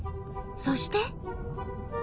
そして。